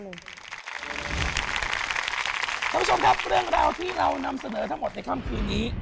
คุณผู้ชมครับเรื่องราวที่เรานำเสนอทั้งหมดในค่ำคืนนี้